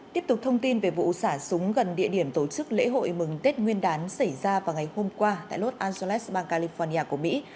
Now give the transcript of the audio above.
tiếp tục thông tin về vụ xả súng gần địa điểm tổ chức lễ hội mừng tết nguyên đán xảy ra vào ngày hôm qua tại los angeles bang california của mỹ